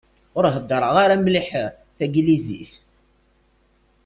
Ur heddreɣ ara mliḥ Taglizit.